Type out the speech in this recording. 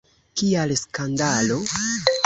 Kial skandalo?